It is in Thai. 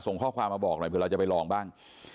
ส่งข้อความมาบอกกันหน่อย